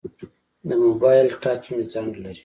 د موبایل ټچ مې ځنډ لري.